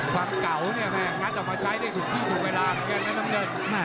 ความเก่าเนี่ยแม่งงัดออกมาใช้ได้ถูกที่ถูกเวลา